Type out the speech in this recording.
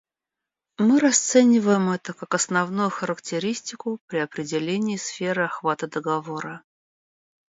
Мы расцениваем это как основную характеристику при определении сферы охвата договора.